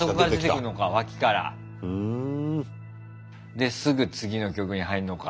ですぐ次の曲に入るのか。